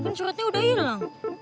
kan suratnya udah ilang